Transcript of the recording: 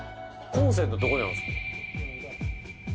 コンセントどこにあるんですか？